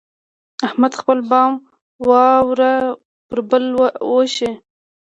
احمد خپل بام واوره پر بل وشي.